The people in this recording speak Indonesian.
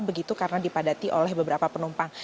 begitu karena dipadati oleh beberapa penumpang